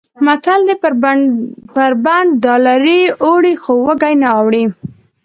متل دی: بر بنډ دلارې اوړي خو وږی نه اوړي.